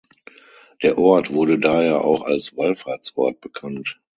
Der Ort wurde daher auch als Wallfahrtsort bekannt.